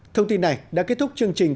thông tin này đã kết thúc chương trình